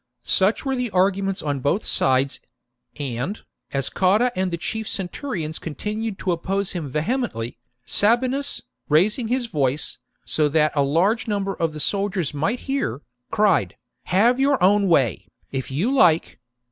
Such were the arguments on both sides ; and, as Cotta and the chief centurions continued to oppose him ^hemently, Sabinus, raising his voice, so that a large number of the soldiers might hear, cried, " Have your own way, if you like.